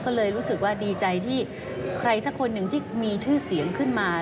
ก็เลยรู้สึกว่าดีใจที่ใครสักคนหนึ่งที่มีชื่อเสียงขึ้นมา